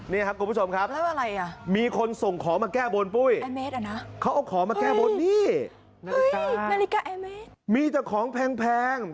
นี่ครับคุณผู้ชมครับมีคนส่งของมาแก้บนปุ้ยมีแต่ของแพง